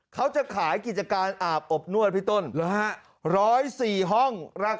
เขาจะขายกิจการอาบอบนวดพี่ต้น